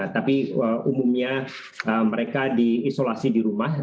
tapi umumnya mereka diisolasi di rumah